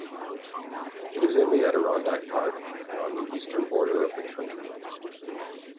It is in the Adirondack Park and on the eastern border of the county.